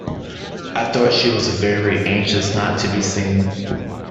I thought that she was very anxious not to be seen.